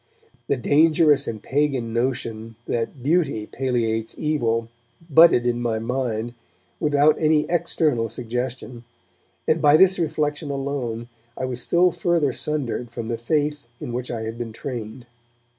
The dangerous and pagan notion that beauty palliates evil budded in my mind, without any external suggestion, and by this reflection alone I was still further sundered from the faith in which I had been trained.